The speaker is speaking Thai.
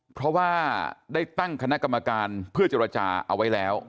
เพราะว่าได้ตั้งคณะกรรมการเพื่อเจรจาเอาไว้แล้ว